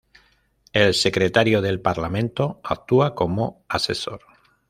El Secretario del Parlamento, actúa como asesor.